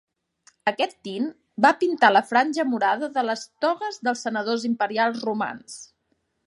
Aquest tint va pintar la franja morada de les togues dels senadors imperials romans.